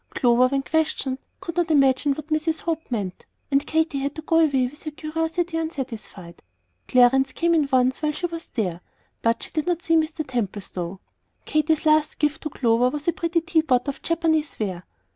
Clover, when questioned, "could not imagine what Mrs. Hope meant;" and Katy had to go away with her curiosity unsatisfied. Clarence came in once while she was there, but she did not see Mr. Templestowe. Katy's last gift to Clover was a pretty tea pot of Japanese ware.